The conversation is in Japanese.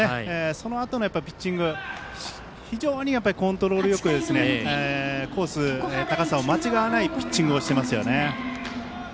そのあとのピッチングが非常にコントロールよくコース、高さを間違わないピッチングをしていますね。